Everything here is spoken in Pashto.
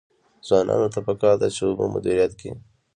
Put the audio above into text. ځوانانو ته پکار ده چې، اوبه مدیریت کړي.